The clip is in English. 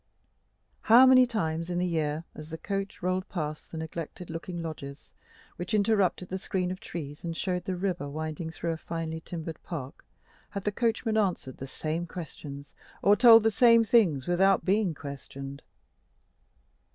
How many times in the year, as the coach rolled past the neglected looking lodges which interrupted the screen of trees, and showed the river winding through a finely timbered park, had the coachman answered the same questions, or told the same things without being questioned!